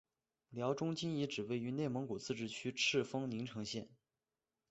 辽中京遗址位于内蒙古自治区赤峰市宁城县。